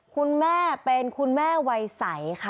คุณแม่เป็นคุณแม่วัยใสค่ะ